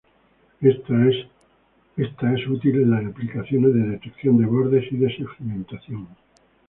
Esta es útil en las aplicaciones de detección de bordes y de segmentación.